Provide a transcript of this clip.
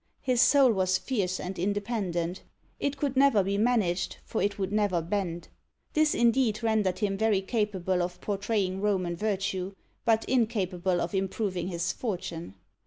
His soul was fierce and independent: it could never be managed, for it would never bend. This, indeed, rendered him very capable of portraying Roman virtue, but incapable of improving his fortune.